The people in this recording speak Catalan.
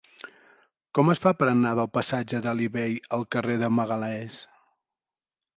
Com es fa per anar del passatge d'Alí Bei al carrer de Magalhães?